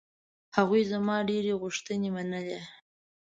هغوی زما ډېرې غوښتنې منلې.